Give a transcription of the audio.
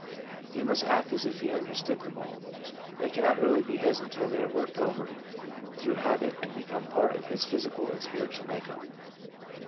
He must act as if he understood them all — they cannot really be his until they are worked over through habit and become a part of his physical and spiritual make up.